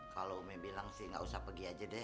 kalo umi bilang gak usah pergi aja deh